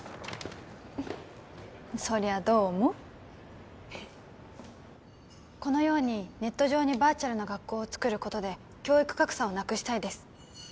そりゃどうもヘヘッこのようにネット上にバーチャルな学校を作ることで教育格差をなくしたいです